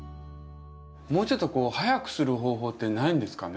もうちょっと早くする方法ってないんですかね？